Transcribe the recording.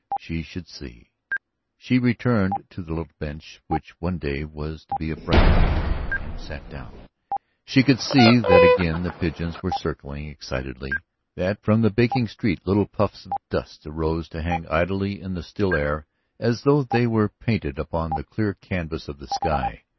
She should see! She returned to the little bench which one day was to be a bright green, and sat down. She could see that again the pigeons were circling excitedly; that from the baking street little puffs of dust arose to hang idly in the still air as though they were painted upon the clear canvas of the sky.